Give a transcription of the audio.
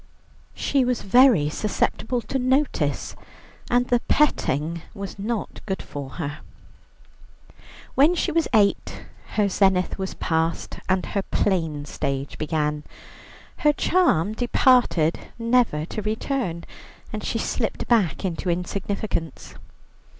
She was very susceptible to notice, and the petting was not good for her. When she was eight her zenith was past, and her plain stage began. Her charm departed never to return, and she slipped back into insignificance.